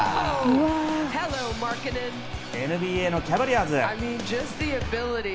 ＮＢＡのキャバリアーズ。